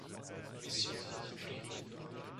Mission nach Bremen.